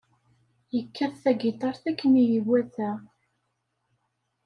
Yekkat tagiṭart akken i iwata.